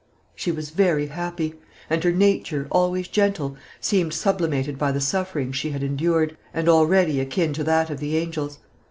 She was very happy; and her nature, always gentle, seemed sublimated by the sufferings she had endured, and already akin to that of the angels.